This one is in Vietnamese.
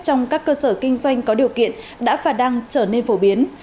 trong các cơ sở kinh doanh có điều kiện đã và đang trở nên phổ biến